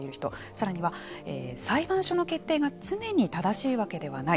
さらには裁判所の決定が常に正しいわけではない。